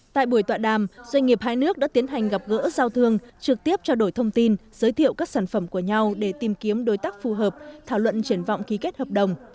tại buổi tọa đàm doanh nghiệp hai nước đã tiến hành gặp gỡ giao thương trực tiếp trao đổi thông tin giới thiệu các sản phẩm của nhau để tìm kiếm đối tác phù hợp thảo luận triển vọng ký kết hợp đồng